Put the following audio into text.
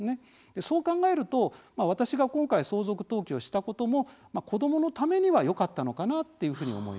そう考えると、私が今回相続登記をしたことも子どものためにはよかったのかなっていうふうに思います。